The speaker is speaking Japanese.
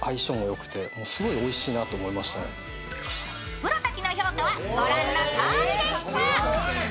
プロたちの評価はご覧のとおりでした。